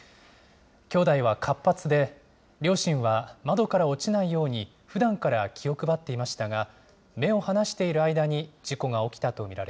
兄弟は活発で、両親は窓から落ちないように、ふだんから気を配っていましたが、目を離している間